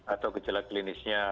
atau kecelaka klinisnya